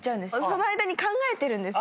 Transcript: その間に考えてるんです